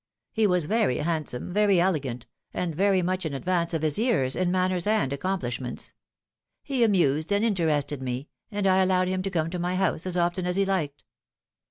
He was very handsome, very elegant, and very much in advance of his years in manners and acomplishments. He amused and interested me, and I allowed him to come to my house as often as he liked."